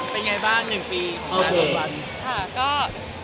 เป็นยังไงบ้าง๑ปี